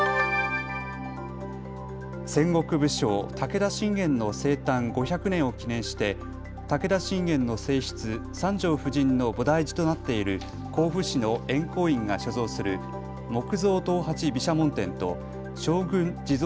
戦国武将、武田信玄の生誕５００年を記念して武田信玄の正室、三条夫人の菩提寺となっている甲府市の円光院が所蔵する木造刀八毘沙門天と勝軍地蔵